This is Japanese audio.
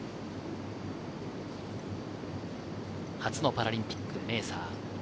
初のパラリンピック、メーサー。